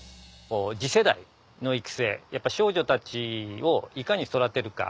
次世代の育成やっぱ少女たちをいかに育てるか。